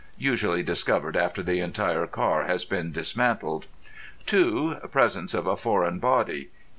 (Usually discovered after the entire car has been dismantled.) (2) Presence of a foreign body.